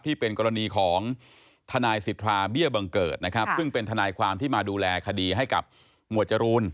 ที่เป็นกรณีของทนายสิทธาเบี้ยบังเกิดนะครับซึ่งเป็นทนายความที่มาดูแลคดีให้กับหมวดจรูน